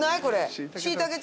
これ。